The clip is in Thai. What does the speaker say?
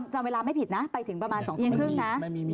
จำเวลาไม่ผิดนะไปถึงประมาณ๒เที่ยงครึ่งนะ